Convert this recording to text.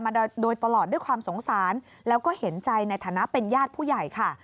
มาโดยตลอดด้วยความสงสารแล้วก็เห็นใจในฐานะเป็นญาติผู้ใหญ่ค่ะ